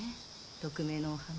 匿名のお花。